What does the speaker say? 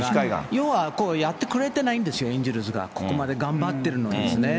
要はやってくれないんですよ、エンゼルスが、ここまで頑張ってるのにですね。